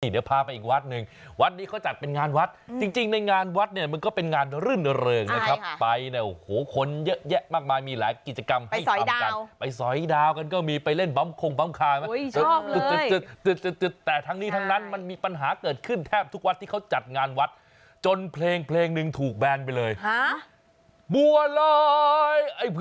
เดี๋ยวพาไปอีกวัดหนึ่งวัดนี้เขาจัดเป็นงานวัดจริงในงานวัดเนี่ยมันก็เป็นงานรื่นเริงนะครับไปเนี่ยโอ้โหคนเยอะแยะมากมายมีหลายกิจกรรมให้ทำกันไปสอยดาวกันก็มีไปเล่นบำคงบำคาญไหมแต่ทั้งนี้ทั้งนั้นมันมีปัญหาเกิดขึ้นแทบทุกวัดที่เขาจัดงานวัดจนเพลงเพลงหนึ่งถูกแบนไปเลย